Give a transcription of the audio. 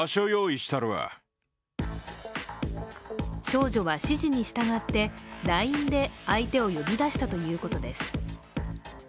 少女は指示に従ってＬＩＮＥで相手を呼び出したということです。